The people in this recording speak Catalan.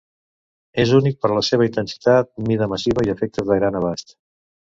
És únic per la seva intensitat, mida massiva i efectes de gran abast.